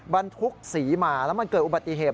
บรรทุกสีมาแล้วมันเกิดอุบัติเหตุ